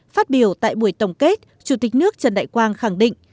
phát biểu tại buổi tổng kết chủ tịch nước trần đại quang khẳng định